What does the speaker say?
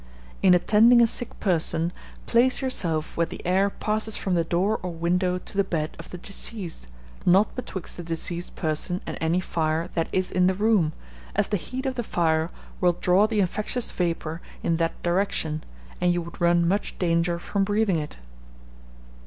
In attending a sick person, place yourself where the air passes from the door or window to the bed of the diseased, not betwixt the diseased person and any fire that is in the room, as the heat of the fire will draw the infectious vapour in that direction, and you would run much danger from breathing it.